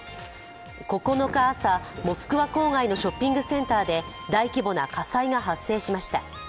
９日朝、モスクワ郊外のショッピングセンターで大規模な火災が発生しました。